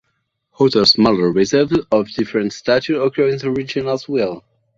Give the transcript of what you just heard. Other smaller reserves of different status occur in the region as well.